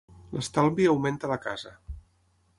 L'estalvi augmenta la casa.